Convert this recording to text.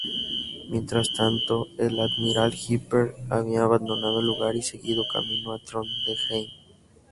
Mientras tanto, el "Admiral Hipper" había abandonado el lugar y seguido camino a Trondheim.